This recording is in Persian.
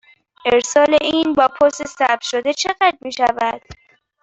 ارسال این با پست ثبت شده چقدر می شود؟